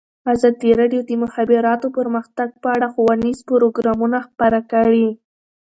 ازادي راډیو د د مخابراتو پرمختګ په اړه ښوونیز پروګرامونه خپاره کړي.